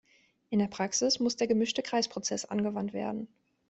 In der Praxis muss der gemischte Kreisprozess angewandt werden.